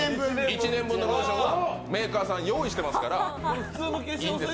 １年分のローションをメーカーさん用意していますから。